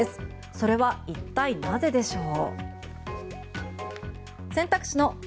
それは一体なぜでしょう。